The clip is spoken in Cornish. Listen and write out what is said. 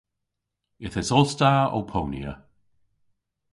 Yth esos ta ow ponya.